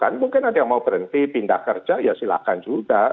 kan mungkin ada yang mau berhenti pindah kerja ya silahkan juga